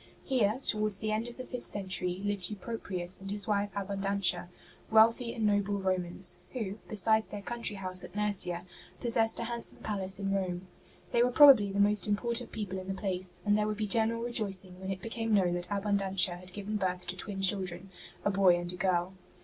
Here, towards the end of the fifth century, hved Euproprius and his wife Abundantia, wealthy and noble Romans, who, besides their country house at Nursia, possessed a handsome palace in Rome. They were probably the most im portant people in the place, and there would be general rejoicing when it became known that Abundantia had given birth to twin children, a boy and a girl.